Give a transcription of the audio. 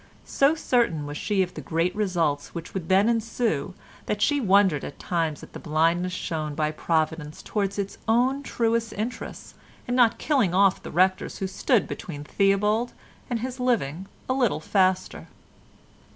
So certain was she of the great results which would then ensue that she wondered at times at the blindness shown by Providence towards its own truest interests in not killing off the rectors who stood between Theobald and his living a little faster.